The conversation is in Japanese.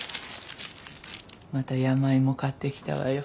またヤマイモ買ってきたわよ。